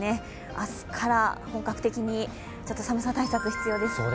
明日から本格的に寒さ対策が必要です。